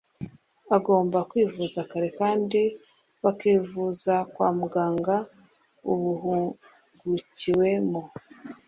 agomba kwivuza kare kandi bakivuza kwa muganga ubihugukiwemo